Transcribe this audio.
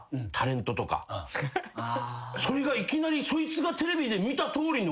それがいきなりそいつが。